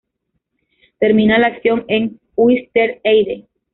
Termina la acción en Huis ter Heide.